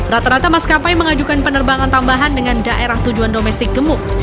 rata rata maskapai mengajukan penerbangan tambahan dengan daerah tujuan domestik gemuk